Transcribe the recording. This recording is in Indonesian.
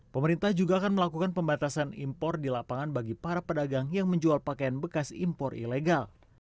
pemerintah juga akan melakukan pembatasan impor di lapangan bagi para pedagang yang menjual pakaian bekas impor ilegal